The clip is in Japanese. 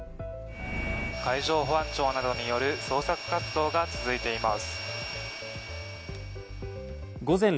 海上保安庁などによる捜索活動が続いています。